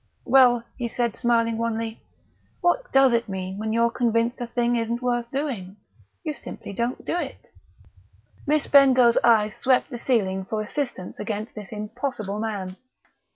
"Well," he said, smiling wanly, "what does it mean when you're convinced a thing isn't worth doing? You simply don't do it." Miss Bengough's eyes swept the ceiling for assistance against this impossible man.